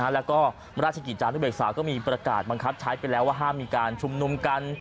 แล้วก็ราชกิจจานุเบกษาก็มีประกาศบังคับใช้ไปแล้วว่าห้ามมีการชุมนุมกัน